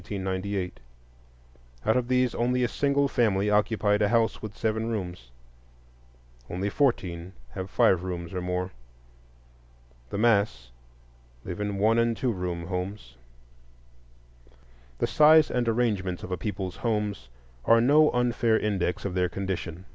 Out of all these, only a single family occupied a house with seven rooms; only fourteen have five rooms or more. The mass live in one and two room homes. The size and arrangements of a people's homes are no unfair index of their condition.